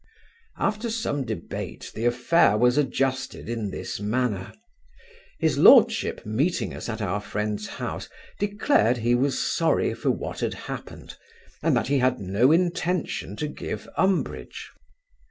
After some debate, the affair was adjusted in this manner. His lordship, meeting us at our friend's house, declared he was sorry for what had happened; and that he had no intention to give umbrage.